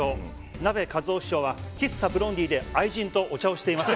なべかずお師匠は喫茶ブロンディーで愛人とお茶をしています。